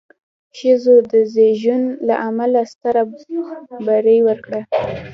ښځو د زېږون له امله ستره بیه ورکړه.